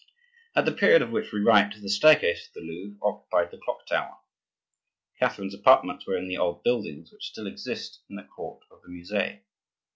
At the period of which we write the staircase of the Louvre occupied the clock tower. Catherine's apartments were in the old buildings which still exist in the court of the Musee.